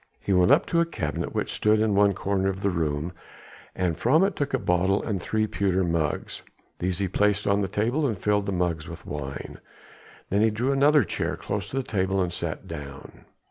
He went up to a cabinet which stood in one corner of the room, and from it took a bottle and three pewter mugs. These he placed on the table and filled the mugs with wine. Then he drew another chair close to the table and sat down.